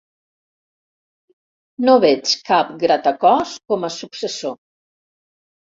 No veig cap "Gratacòs" com a successor.